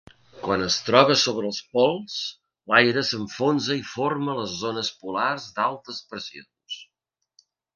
Quan es troba sobre els pols, l'aire s'enfonsa i forma les zones polars d'altes pressions.